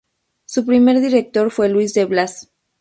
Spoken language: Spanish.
Su primer director fue Luis de Blas.